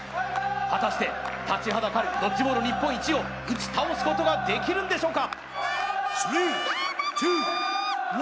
果たして立ちはだかるドッジボール日本一を打ち倒すことはできるんでしょうか？